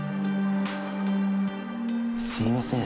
すいません。